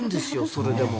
それでも。